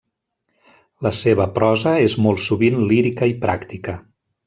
La seva prosa és molt sovint lírica i pràctica.